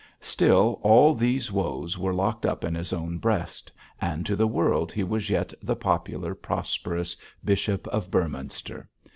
Still, all these woes were locked up in his own breast, and to the world he was yet the popular, prosperous Bishop of Beorminster.